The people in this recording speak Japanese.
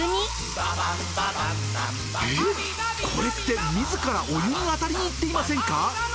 これってみずからお湯に当たりにいっていませんか？